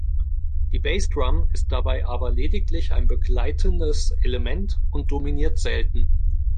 Die Bassdrum ist dabei aber lediglich ein begleitendes Element und dominiert selten.